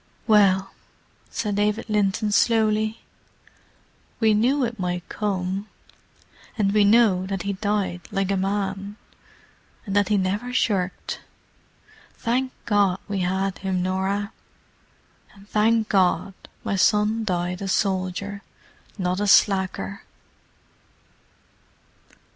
"Well," said David Linton slowly, "we knew it might come. And we know that he died like a man, and that he never shirked. Thank God we had him, Norah. And thank God my son died a soldier, not a slacker."